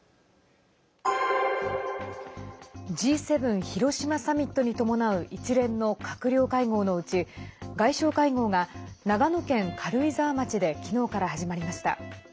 Ｇ７広島サミットに伴う一連の閣僚会合のうち外相会合が長野県軽井沢町で昨日から始まりました。